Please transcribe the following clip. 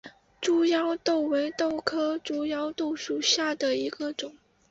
猪腰豆为豆科猪腰豆属下的一个种。